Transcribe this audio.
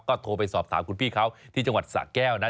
ก็โทรไปสอบถามคุณพี่เขาที่จังหวัดสะแก้วนะ